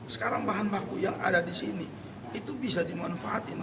sekarang bahan baku yang ada di sini itu bisa dimanfaatin